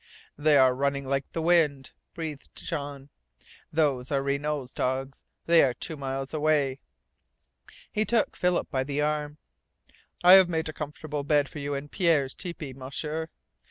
"They are running like the wind!" breathed Jean. "Those are Renault's dogs. They are two miles away!" He took Philip by the arm. "I have made a comfortable bed for you in Pierre's tepee, M'sieur.